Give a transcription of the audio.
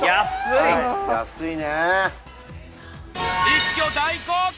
一挙大公開。